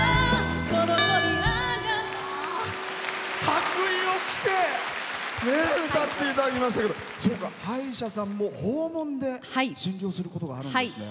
白衣を着て歌っていただきましたけど歯医者さんも訪問で診療することがあるんですね。